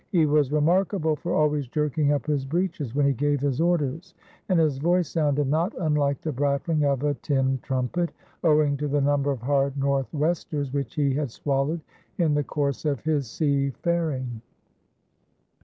He was remarkable for always jerking up his breeches when he gave his orders and his voice sounded not unlike the brattling of a tin trumpet, owing to the number of hard northwesters which he had swallowed in the course of his sea faring."